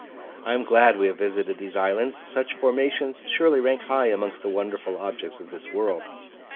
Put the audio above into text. I am glad we have visited these islands: such formations surely rank high amongst the wonderful objects of this world.